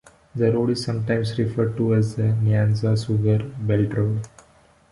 The road is sometimes referred to as the Nyanza Sugar Belt Road.